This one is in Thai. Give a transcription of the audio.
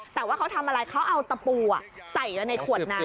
แต่ว่าเขาทำอะไรเขาเอาตะปูใส่ไว้ในขวดน้ำ